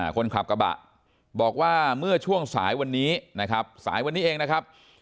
คนขับกระบะบอกว่าเมื่อช่วงสายวันนี้นะครับ